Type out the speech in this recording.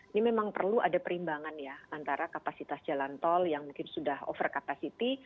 ini memang perlu ada perimbangan ya antara kapasitas jalan tol yang mungkin sudah over capacity